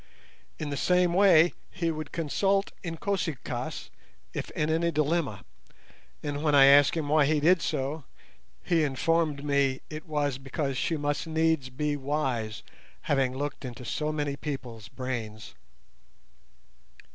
In the same way he would consult "Inkosi kaas" if in any dilemma; and when I asked him why he did so, he informed me it was because she must needs be wise, having "looked into so many people's brains".